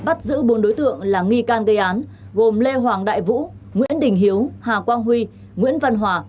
bắt giữ bốn đối tượng là nghi can gây án gồm lê hoàng đại vũ nguyễn đình hiếu hà quang huy nguyễn văn hòa